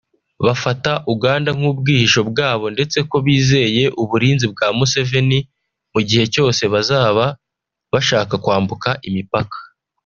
Bafata Uganda nk’ubwihisho bwabo ndetse ko bizeye uburinzi bwa Museveni mu gihe cyose bazaba bashaka kwambuka imipaka